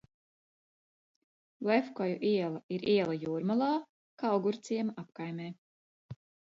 Lefkoju iela ir iela Jūrmalā, Kaugurciema apkaimē.